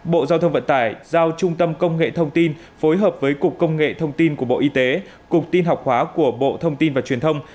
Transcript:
bộ giao thông vận tải giao trung tâm công nghệ thông tin phối hợp với cục công nghệ thông tin của bộ y tế cục tin học hóa của bộ thông tin và truyền thông